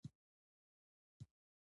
په دې وخت کې د دوی ګواښ تر پخوا پیاوړی و.